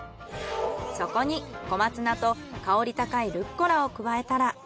そこに小松菜と香り高いルッコラを加えたら。